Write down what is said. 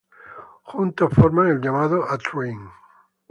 Juntos forman el llamado A-train.